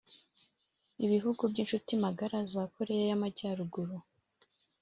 ibihugu by’inshuti magara za Koreya y’Amajyaruguru